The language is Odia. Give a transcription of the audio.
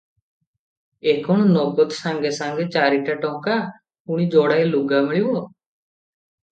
ଏ କ’ଣ ନଗଦ ସାଙ୍ଗେ ସାଙ୍ଗେ ଚାରିଟା ଟଙ୍କା, ପୁଣି ଯୋଡ଼ାଏ ଲୁଗା ମିଳିବ ।